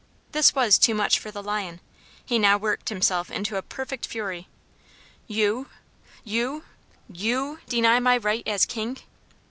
This was too much for the Lion. He now worked himself into a perfect fury. "You you YOU deny my right as King?"